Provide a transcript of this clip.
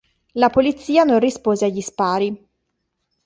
La polizia non rispose agli spari.